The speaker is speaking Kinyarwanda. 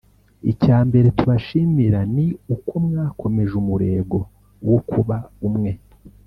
Icya mbere tubashimira ni uko mwakomeje umurego wo kuba umwe